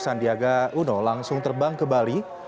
sandiaga uno langsung terbang ke bali